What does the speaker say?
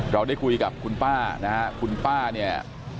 เราได้คุยกับคุณป้านะฮะคุณป้าเนี่ย